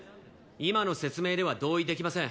今の説明では同意できません。